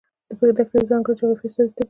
دښتې د ځانګړې جغرافیې استازیتوب کوي.